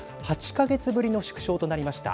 ８か月ぶりの縮小となりました。